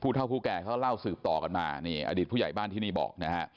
เท่าผู้แก่เขาเล่าสืบต่อกันมานี่อดีตผู้ใหญ่บ้านที่นี่บอกนะฮะ